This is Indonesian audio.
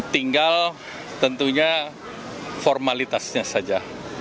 tinggal tentunya formalitasnya saja